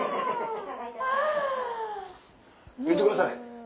言ってください。